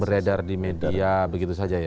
beredar di media begitu saja ya